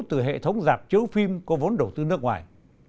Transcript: từ hệ thống giạc chứa phim có vốn đầu tư nước ngoài